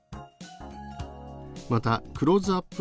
またクローズアップ